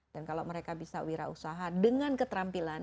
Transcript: dan kalau mereka bisa wirausaha dengan keterampilan